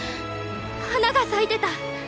花が咲いてた！